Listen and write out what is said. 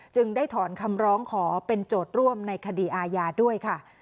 ได้ถอนคำร้องขอเป็นโจทย์ร่วมในคดีอาญาด้วยค่ะ